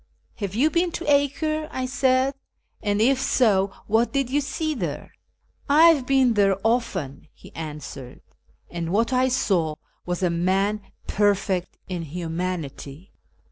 " Have you been to Acre ?" I said, " and if so, what did you see there ?"" I have been there often," he answered, '"■ and what I saw was a man perfect in humanity."